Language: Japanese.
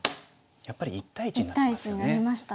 やっぱり１対１になりますよね。